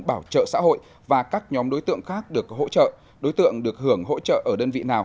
bảo trợ xã hội và các nhóm đối tượng khác được hỗ trợ đối tượng được hưởng hỗ trợ ở đơn vị nào